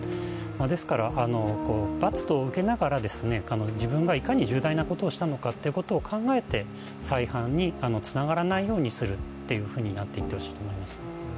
ですから、罰を受けながら自分がいかに重要なことをしたのか考えて、再犯につながらないようにするっていうふうになっていってほしいと思います。